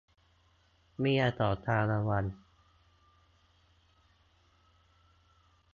เมียของชาละวัน